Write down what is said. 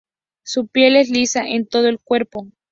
Su piel es lisa en todo el cuerpo.